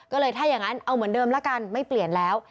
ก็เลยถ้าอย่างนั้นเอาเหมือนเดิมละกันไม่เปลี่ยนแล้ว